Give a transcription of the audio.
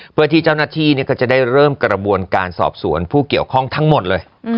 เพื่อที่เจ้าหน้าที่ก็จะได้เริ่มกระบวนการสอบสวนผู้เกี่ยวข้องทั้งหมดเลย